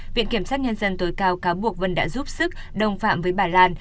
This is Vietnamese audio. viện kiểm sát nhân dân tối cao cáo buộc vân đã giúp sức đồng phạm với bà lan